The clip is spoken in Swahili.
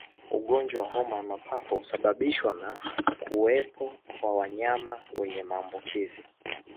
Ugonjwa wa homa ya mapafu husababishwa na kuwepo kwa wanyama wenye maambukizi